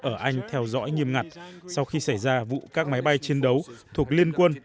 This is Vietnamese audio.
ở anh theo dõi nghiêm ngặt sau khi xảy ra vụ các máy bay chiến đấu thuộc liên quân